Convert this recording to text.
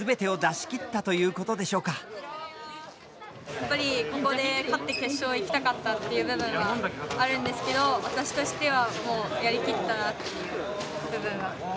やっぱりここで勝って決勝いきたかったっていう部分はあるんですけど私としてはもうやりきったなっていう部分は大きいです。